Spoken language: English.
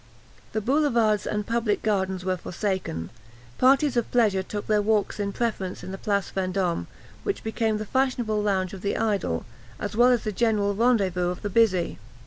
The boulevards and public gardens were forsaken; parties of pleasure took their walks in preference in the Place Vendôme, which became the fashionable lounge of the idle, as well as the general rendezvous of the busy.